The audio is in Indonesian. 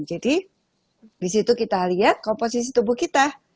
jadi di situ kita lihat komposisi tubuh kita